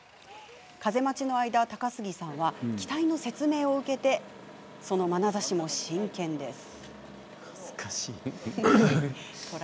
風待ちの間高杉さんは、機体の説明を受けそのまなざしも真剣です。